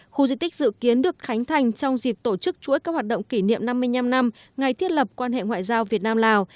khu di tích dự kiến được khánh thành trong dịp tổ chức chuỗi các hoạt động kỷ niệm năm mươi năm năm ngày thiết lập quan hệ ngoại giao việt nam lào